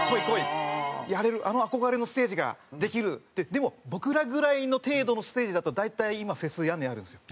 でも僕らぐらいの程度のステージだと大体今フェス屋根あるんですよ。